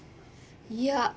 いや